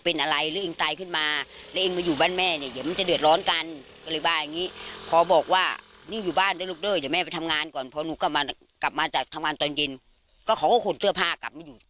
พอหนูกลับมาจากทำงานตอนเย็นก็ของเขาขนเสื้อผ้ากลับมาอยู่